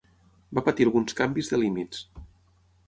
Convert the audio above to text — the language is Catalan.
Va patir alguns canvis de límits.